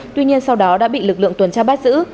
tuy nhiên sau đó đã bị lực lượng tuần tra bắt giữ